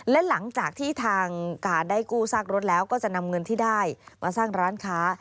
และหลังจากที่ทางการได้กู้ซากรถแล้วก็จะนำเงินที่ได้มาสร้างร้านค้า